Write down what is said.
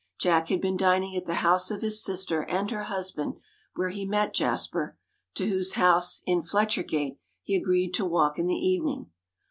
Jack had been dining at the house of his sister and her husband, where he met Jasper, to whose house in Fletcher gate he agreed to walk in the evening.